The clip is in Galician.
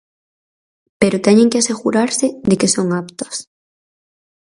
Pero teñen que asegurarse de que son aptas.